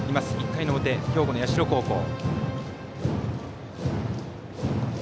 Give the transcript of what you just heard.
１回の表兵庫の社高校。